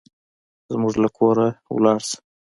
زموږ له کوره لاړ شه.